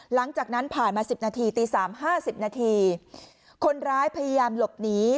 หลังจากนั้นผ่านมา๑๐นาทีตีสามห้าสิบนาทีคนร้ายพยายามหลบหนี